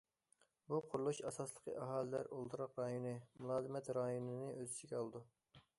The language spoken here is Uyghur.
بۇ قۇرۇلۇش، ئاساسلىقى، ئاھالىلەر ئولتۇراق رايونى، مۇلازىمەت رايونىنى ئۆز ئىچىگە ئالىدۇ.